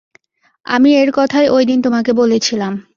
আমি এর কথাই ঐদিন তোমাকে বলেছিলাম।